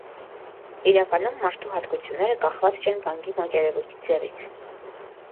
Իրականում մարդու հատկությունները կախված չեն գանգի մակերևույթի ձևից։